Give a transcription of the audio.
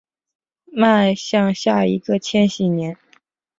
迈向下一个千禧年